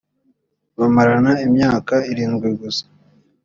bamarana imyaka irindwi gusa